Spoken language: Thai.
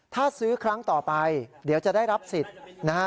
ถ้าซื้อครั้งต่อไปเดี๋ยวจะได้รับสิทธิ์นะฮะ